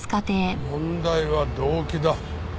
問題は動機だ。